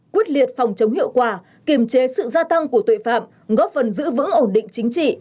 quyết liệt phòng chống hiệu quả kiềm chế sự gia tăng của tội phạm góp phần giữ vững ổn định chính trị